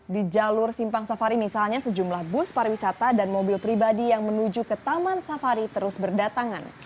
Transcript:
di jalur simpang safari misalnya sejumlah bus pariwisata dan mobil pribadi yang menuju ke taman safari terus berdatangan